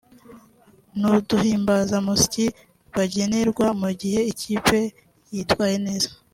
n’uduhimbazamusyi bagenerwa mu gihe ikipe yitwaye neza